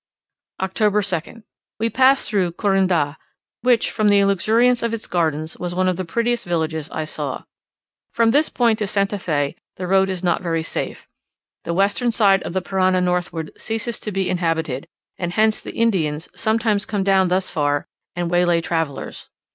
October 2nd. We passed through Corunda, which, from the luxuriance of its gardens, was one of the prettiest villages I saw. From this point to St. Fe the road is not very safe. The western side of the Parana northward, ceases to be inhabited; and hence the Indians sometimes come down thus far, and waylay travellers.